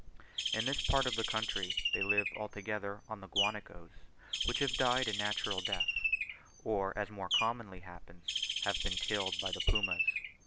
In this part of the country they live altogether on the guanacos which have died a natural death, or as more commonly happens, have been killed by the pumas.